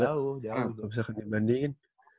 jauh gak bisa kaya dibandingin